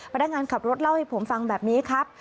พนักงานขับรถเล่าให้ผมฟังแบบนี้ครับ